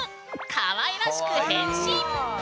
かわいらしく変身。